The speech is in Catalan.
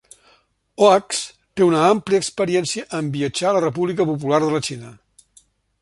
Oakes té una àmplia experiència en viatjar a la República Popular de la Xina.